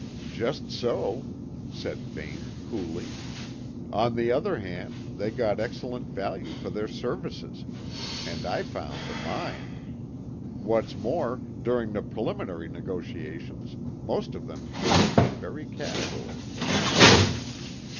"Just so," said Vane coolly. "On the other hand, they got excellent value for their services and I found the mine. What's more, during the preliminary negotiations most of them treated me very casually."